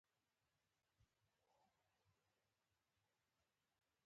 د انقلاب په لومړیو کې ټول پخواني کارونه پرېښودل شول.